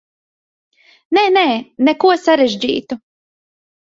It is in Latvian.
Nē, nē, neko sarežģītu.